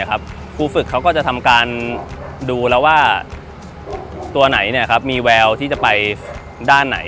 ครูฝึกเขาก็จะทำการดูแล้วว่าตัวไหนมีแววที่จะไปด้านไหน